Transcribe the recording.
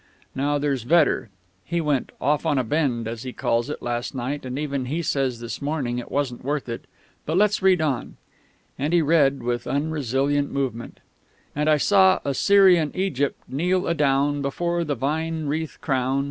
Now there's Vedder; he 'went off on a bend,' as he calls it, last night, and even he says this morning it wasn't worth it. But let's read on." Again he read, with unresilient movement: "_I saw Osirian Egypt kneel adown Before the vine wreath crown!